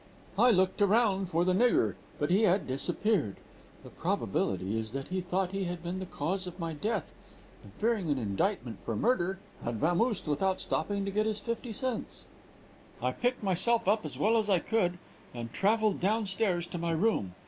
"I looked around for the nigger, but he had disappeared; the probability is that he thought he had been the cause of my death, and fearing an indictment for murder, had vamosed without stopping to get his fifty cents. "I picked myself up as well as I could, and travelled down stairs to my room.